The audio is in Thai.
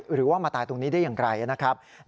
หรือว่ามาตายตรงนี้ได้อย่างไรนะครับ